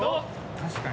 確かに。